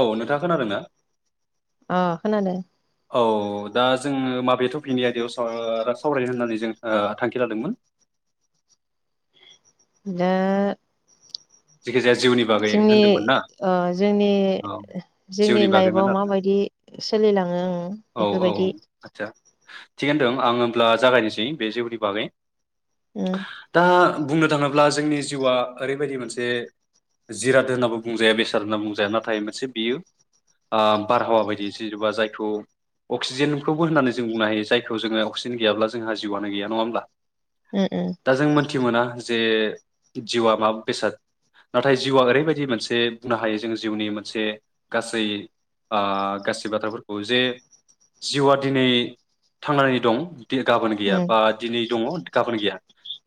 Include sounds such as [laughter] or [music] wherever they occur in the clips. औ नोंथाङा खोनादोंना? अ खोनादो। औ दा जोङो माबे थफिकनि आयदायाव साव- सावरायनो ओ होननानै जों थांखि लादोमोन। नो जिखिजाया जोंनि ओ जोंनि औ जिउनि जोंनि बागैमोन लाइफआव आरोना माबायदि सोलिलाङो ओं औ औ औ बेफोरबायदि। आदसा थिगानो दं आं होमब्ला जागायनोसै बे जिउनि बागै उम दा बुंनो थाङोब्ला जोंनि जिउआ ओरैबायदि मोन से जिराद होनाबो बुंजाया बेसाद होनना बुंजाया नाथाय ओ बियो बारहावा बायदि जेनेबा जायखौ अक्सिजेनखौबो होननानै जों बुंनो हायो जायखौ जोङो अक्सिजेन गैयाब्ला जोंहा जिउआनो गैया नङा होमब्ला। उम दा जों मोनथि मोना जे जिउआ मा बेसाद? नाथाय जिउआ ओरैबायदि मोनसे बुंनो हायो जों जिउनि मोनसे गासै ओ गासै बाथ्राफोरखौ जे जिउआ दिनै थांनानै दं। दि गाबोन उम गैया बा दिनै दङ गाबोन गैया।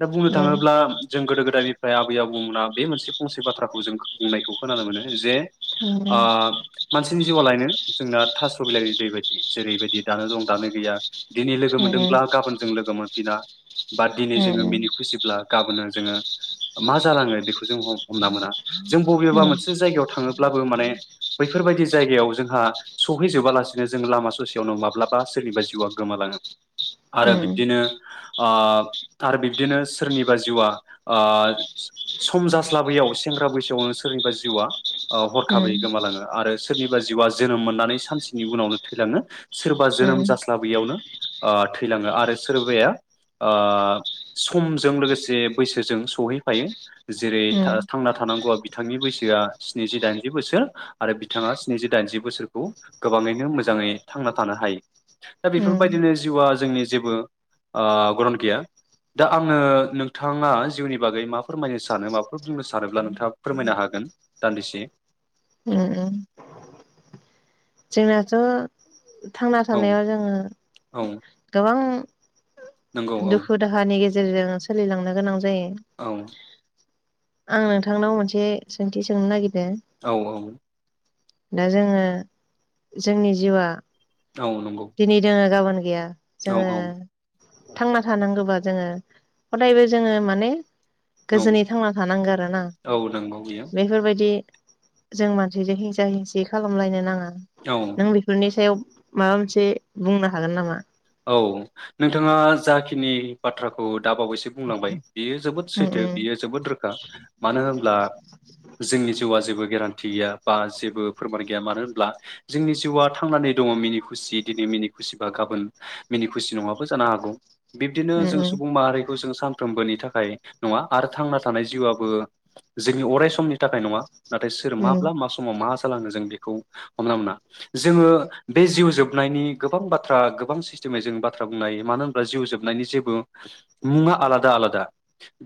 दा बुंनो उम थाङोब्ला जों गोदो गोदायनिफ्राय आबै आबौ [unintelligible] बे मोनसे फंसे बाथ्राखौ जों बुंनायखौ खोनानो मोनो जे उम उम ओ मानसिनि जिउआ लायनो जोंना थास' बिलाइनि दै बायदि जेरैबायदि दानो दं दानो गैया। दिनै लोगो उम उम मोनदोंब्ला गाबोनजों लोगो मोनफिना बा दिनै जोङो उम मिनि खुसिब्ला गाबोनो जोङो मा जालाङो बेखौ जों ह-हमना मोना जों बबेबा उम मोनसे जायगायाव थाङो ब्लाबो माने बैफोरबायदि जायगायाव जोंहा सहैजोबालासिनो जों लामा ससेयावनो माब्लाबा सोरनिबा जिउआ गोमालाङो। आरो उम बिदिनो ओ आरो बिब्दिनो सोरनिबा जिउआ ओ सु सम जास्लाबैयाव सेंग्रा बैसोआवनो सोरनिबा जिउआ हरखाबै गोमालाङो आरो सोरनिबा जिउआ जोनोम मोननानै सानसेनि उनावनो थैलाङो सोरबा जोनोम जास्लाबैयावनो ओ थैलाङो आरो सोरबाया ओ समजों लोगोसे बैसोजों सहैफायो। जेरै उम थांना थानांगौआ बिथांनि बैसोआ स्निजि दाइनजि बोसोर आरो बिथाङा स्निजि दाइनजि बोसोरखौ गोबाङैनो मोजाङै थांना थानो हायो। दा उम बेफोरबायदिनो जिउआ जोंनि जेबो ओ गरन गैया दा आङो नोंथाङा जिउनि बागै मा फोरमायनो सानो माबाफोर बुंनो सानोब्ला नोंथाङा फोरमायनो हागोन दान्दिसे उम जोंनाथ' थांना औ थानायाव जोङो औ गोबां नंगौ औ दुखु दाहािन गेजे रजों सोलिलांनो गोनां जायो औ आं नोंथांनाव मोनसे सोंथि सोंनो नागि औ औ दा जोङो जोंनि जिउआ औ नंगौ दिनै दोङो गाबोन गैया औ जोङो औ थांना थानांगोबा जोङो हदायबो जोङो माने औ गोजोनै थांना थानांगो आरोना औ नंगौ बियो बेफोरबायदि जों मानसिजों हिंसा हिंसि खालामलायनो नाङा औ नों बिफोरनि सायाव माबा मोनसे बुंनो हागोन नामा औ नोंथाङा जाखिनि बाथ्राखौ दाबावैसो बुंलांबाय बियो जोबोद उम सैथो उम बियो जोबोद रोखा मानो होनब्ला जोंनि जिउआ जेबो गेरान्थि गैया बा जेबो फोरमान गैया मानो होनब्ला जोंनि जिउआ थांनानै दङ मिनि खुसि दिनै मिनि खुसिबा गाबोन मिनि खुसि नङाबो जानो हागौ बिब्दिनो जों उम सुबुं माहारिखौ जों सानफ्रोमबोनि था खाय‌ नङा आरो थांना थानाय जिउआबो जोंनि अराय समनि थाखाय नङा। नाथाय सोर उम माब्ला मा समाव मा जालाङो जों बेखौ हमना मोना जोङो बे जिउ जोबनायनि गोबां बाथ्रा गोबां [unintelligible] जों बाथ्रा बुंनो हायो मानो होनबा जिउ जोबनायनि जेबो मुङा आलादा आलादा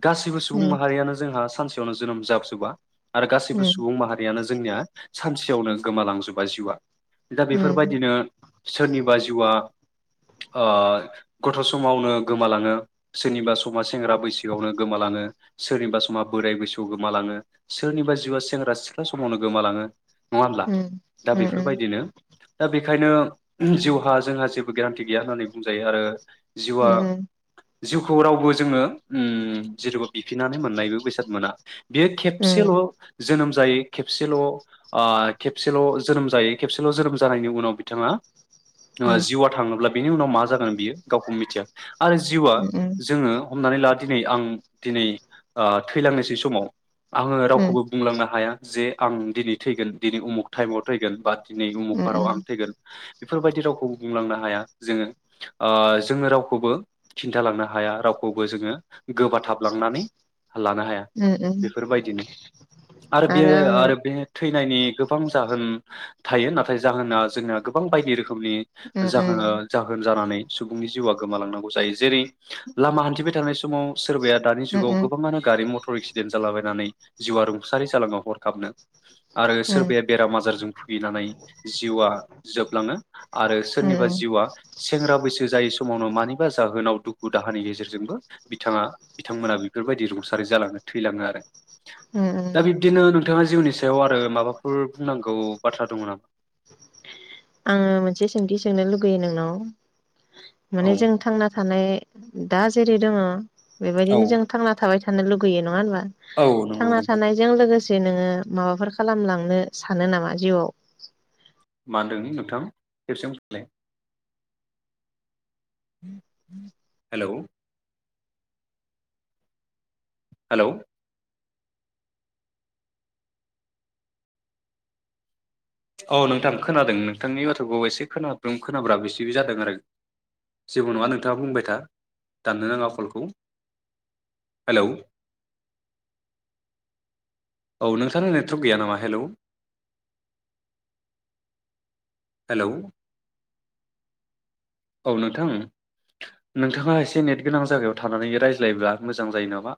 गासैबो सुबुं उम माहारियानो जोंहा सानसेयावनो जोनोम जाबजोबा आरो गासैबो सुबुं माहारियानो जोंनिया सानसेयावनो गोमालांजोबा जिउआ दा उम बेफोरबायदिनो सोरनिबा जिउआ ओ गथ' समावनो गोमालाङो सोरनिबा समा सेंग्रा बैसोआवनो गोमालाङो सोरनिबा समा बोराइ बैसोआव गोमालाङो सोरनिबा जिउआ सेंग्रा सिख्ला समावनो गोमालाङो। नङा होमब्ला उम दा उम उम बेफोरबायदिनो दा बे बेखायनो जिउहा जोंहा जेबो गेरानन्थि गैया होननानै बुंजायो आरो उम जिउआ जिउखौ रावबो जोङो उम जेरबो बिफिननानै मोननायबो बेसाद मोना। बेयो खेबसेल' जोनोम जाय खेबसेल' आ खेबसेल' जोनोम जायो खेबसेल' जोनोम जानायनि उनाव बिथाङा ओ जिउ आ अब्ला बेनि उनाव मा जागोन बियो गावखौ मिथिया आरो जिउआ जोङो हमनानै ला दिनै आं दिनै आं थैलांनोसै समाव आङो उम रावखौबो बुंलांनो हाया। जे आं दिनै थैगोन दिनै उमुक टाइमाव थैगोन बा दिनै उमुखपाराव आं उम थैगोन। बेफोरबायदि रावखौ बुंलांना हाया जोङो आ जोङो रावखौबो खिन्थालांनो हाया रावखौबो जोङो गोबाथाबलांनानै लानो हाया उम उम बेफोरबायदिनो आरो बे आरो बे थैनायनि गोबां जाहोन थायो नाथाय जाहोना जोंना गोबां बायदि रोखोमनि उम जाहोना उम जाहोन जानानै सुबुंनि जिउआ गोमालांनांगौ जायो जेरै लामा हान्थिबाय थानाय स समाव सोरबाया दानि उम जुगाव गोबाङानो गारि मटर एक्सिडेन्ट जालाबायनानै जिउआ र रुंसारि जालांयो हरखाबनो आरो उम सोरबाया बेराम आजारजों भुगिनानै जिउआ जोबलाङो आरो सोरनिबा उम जिउआ सेंग्रा बैसो जायै समाव मानिबा जाहोनाव दुखु दाहानि गेजेरजोंबो बिथाङा बिथांमोना बेफोरबायदि रुंसारि जालांनो थैलाङो आरो। दा उम बिब्दिनो नोंथाङा जिउनि साय याव आरो माबाफोर बुंनांगौ बाथ्रा दङ नामा? आङो मोनसे सोंथि सोंनो लुगैयो नोंनाव। औ माने जों थांना थानाय दा जेरै दोङो बेबायदिनो जों थांना थाबाय थ थानो लुगैयो नङा होनबा? थांना थानायजों लोगोसे जे नोङो माबाफोर खालामलांनो सानो नामा जिउआव? मादोंलै नोंथां खेबसे होनफिनलाय। हेलौ। हेलौ। औ नोंथां खोनादों नोंथांनि बाथ्राखौ एसे खोनादों खोनाब्राब एसे जादों आरो। जेबो नङा नोंथाङा बुंबाय था दाननो नाङा कलखौ। हेलौ औ नोंथांना नेटवर्क गैया नामा? हेलौ। हेलौ। औ नोंथां नोंथाङा एसे नेट गोनां जायगायाव थानानै रायज्लायब्ला मोजां जायो नामा?